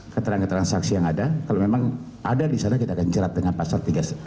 keterangan transaksi yang ada kalau memang ada disana kita akan cerat dengan pasal dua ratus sembilan puluh empat